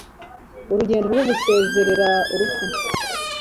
Urugendo rwo gusezerera urupfu